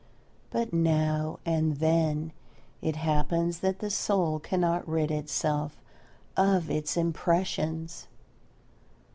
But now and then it happens that the soul cannot rid itself of its impressions.